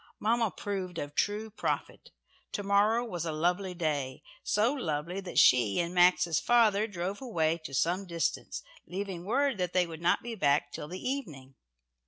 Mamma proved a true prophet, "To morrow" was a lovely day. So lovely that she and Max's father drove away to some distance, leaving word that they would not be back till the evening.